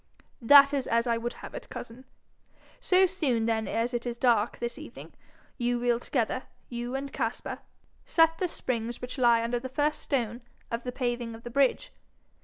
'That is as I would have it, cousin. So soon then as it is dark this evening, you will together, you and Caspar, set the springs which lie under the first stone of the paving of the bridge.